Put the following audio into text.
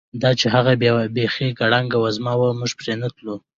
دا چې هغه بیخي ګړنګ وزمه وه، موږ پرې نه تلو.